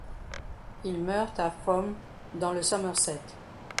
Il meurt à Frome, dans le Somerset.